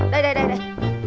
đây đây đây